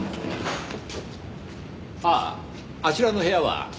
あああちらの部屋は？